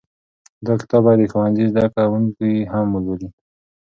دا کتاب باید د ښوونځي زده کوونکي هم ولولي.